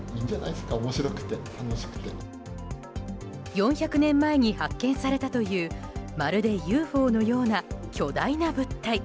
４００年前に発見されたというまるでＵＦＯのような巨大な物体